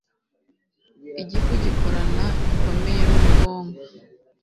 Igifu gikorana bikomeye nubwonko